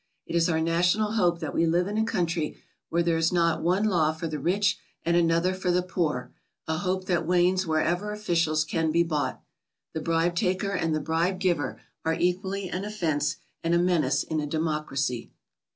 It is our national hope that we live in a country where there is not one law for the rich and an other for the poor, a hope that wanes wherever officials can be bought. The bribe taker and the bribe giver are equally an offence and a menace in a democracy.